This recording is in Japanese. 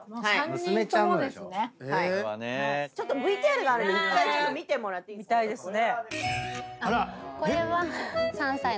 ちょっとＶＴＲがあるんで１回見てもらっていいですか？